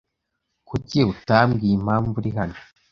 Kuki utambwiye impamvu uri hano?